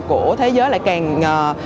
của thế giới lại càng